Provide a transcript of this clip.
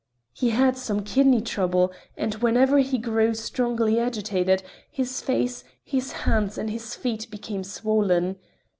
He had some kidney trouble, and whenever he grew strongly agitated, his face, his hands and his feet became swollen.